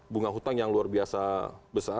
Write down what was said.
bunga hutang yang luar biasa besar